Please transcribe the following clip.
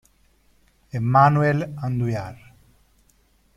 Emmanuel Andújar